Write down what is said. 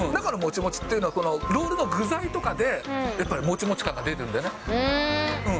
中のもちもちっていうのはロールの具材とかでやっぱりもちもち感が出るんだよね。